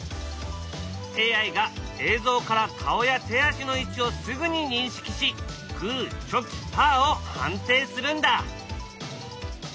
ＡＩが映像から顔や手足の位置をすぐに認識しグーチョキパーを判定するんだ！